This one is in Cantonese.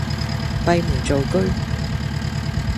閉門造車